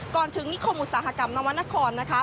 ก่อนถึงนิคมอุตสาหกรรมนวรรณครนะคะ